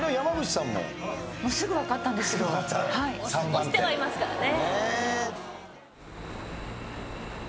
押してはいますからね。